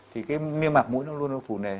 thì cái niêm mạc mũi nó luôn nó phù nề